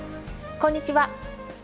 こんにちは。